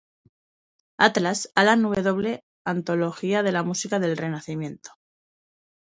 Atlas, Alan W. "Antología de la música del Renacimiento".